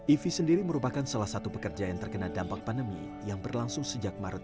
ivi sendiri merupakan salah satu pekerja yang terkena dampak pandemi yang berlangsung sejak maret dua ribu dua puluh